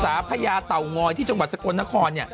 สาหรับพระยาเต่างอยที่จังหวัดสกลนคร